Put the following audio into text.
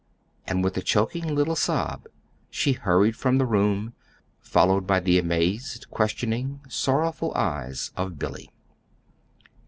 And with a choking little sob she hurried from the room, followed by the amazed, questioning, sorrowful eyes of Billy.